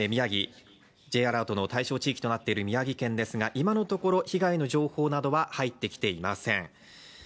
Ｊアラートの対象となっている宮城県ですが今のところ、被害の情報などは入ってきていません。